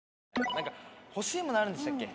何か欲しい物あるんでしたっけ？